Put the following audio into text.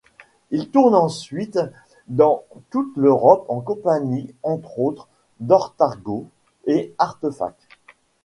Il tourne ensuite dans toute l'Europe en compagnie, entre autres, d'Otargos et Artefact.